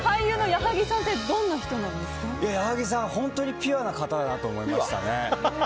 矢作さんは本当にピュアな方だなと思いましたね。